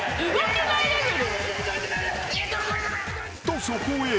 ［とそこへ］